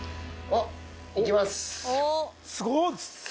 あっ、いきます。